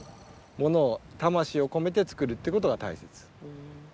ものを魂を込めて作るってことがたいせつ。